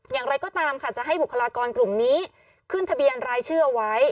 อย่างไรก็ตามค่ะจะให้บุคลากรกลุ่มนี้ขึ้นทะเบียนรายชื่อเอาไว้